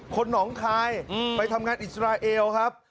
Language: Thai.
คนหนองคายไปทำงานอิสราเอลครับ